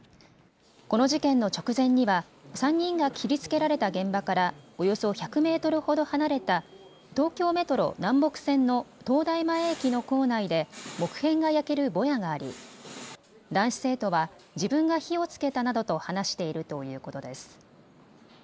この事件の直前には３人が切りつけられた現場からおよそ１００メートルほど離れた東京メトロ南北線の東大前駅の構内で木片が焼けるぼやがあり男子生徒は自分が火をつけたなどと話しているということです。